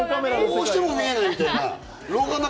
こうしても見えないみたいな。